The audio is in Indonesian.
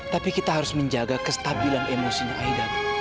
tapi kita harus menjaga kestabilan emosinya aida bu